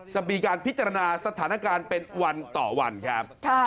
จะมีการพิจารณาสถานการณ์เป็นวันต่อวันครับ